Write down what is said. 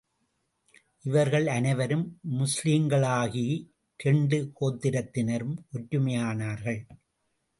இவர்கள் அனைவரும் முஸ்லிம்களாகி, இரண்டு கோத்திரத்தினரும் ஒற்றுமையானார்கள்.